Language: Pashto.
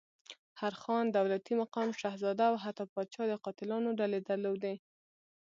هر خان، دولتي مقام، شهزاده او حتی پاچا د قاتلانو ډلې درلودلې.